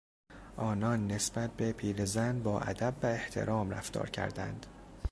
آنان نسبت به پیرزن با ادب و احترام رفتار کردند.